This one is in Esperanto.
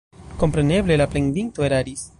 Kompreneble, la plendinto eraris.